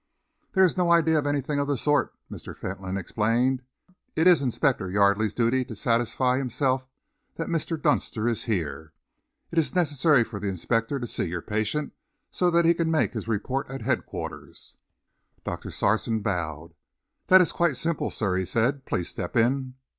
"There is no idea of anything of the sort," Mr. Fentolin explained. "It is Inspector Yardley's duty to satisfy himself that Mr. Dunster is here. It is necessary for the inspector to see your patient, so that he can make his report at headquarters." Doctor Sarson bowed. "That is quite simple, sir," he said. "Please step in."